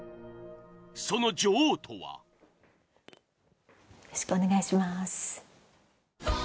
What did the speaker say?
その女王とはよろしくお願いします。